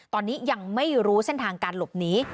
ตอนนี้ยังไม่รู้เส้นทางการหลบหนี